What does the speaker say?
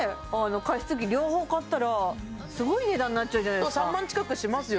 加湿器両方買ったらすごい値段になっちゃうじゃないですか３万近くしますよ